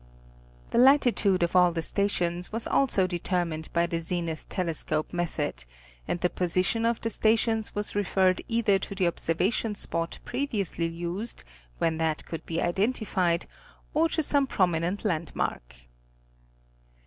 The Latitude of all the stations, was also determined by the zenith telescope method, and the position of the stations was referred either to the observation spot previously used, when that could be identified, or to some prominent landmark.